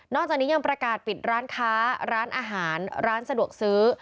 จากนี้ยังประกาศปิดร้านค้าร้านอาหารร้านสะดวกซื้อ